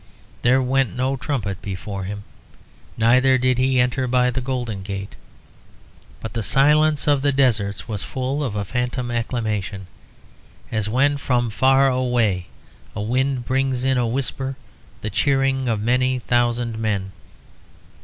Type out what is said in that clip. There went no trumpet before him, neither did he enter by the Golden Gate; but the silence of the deserts was full of a phantom acclamation, as when from far away a wind brings in a whisper the cheering of many thousand men.